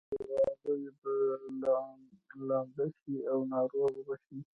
تاسي او آغلې به لانده شئ او ناروغه به شئ.